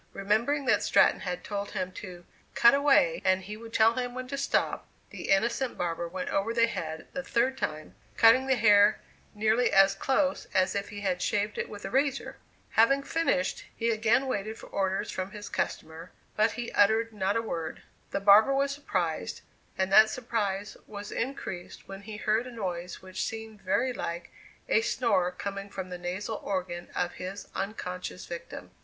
Remembering that Stratton had told him to "cut away, and he would tell him when to stop," the innocent barber went over the head the third time, cutting the hair nearly as close as if he had shaved it with a razor! Having finished, he again waited for orders from his customer, but he uttered not a word. The barber was surprised, and that surprise was increased when he heard a noise which seemed very like a snore coming from the nasal organ of his unconscious victim.